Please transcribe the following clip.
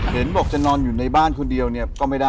เห็นบอกจะนอนอยู่ในบ้านคนเดียวเนี่ยก็ไม่ได้